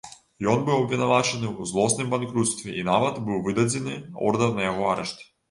Ён быў абвінавачаны ў злосным банкруцтве і нават быў выдадзены ордар на яго арышт.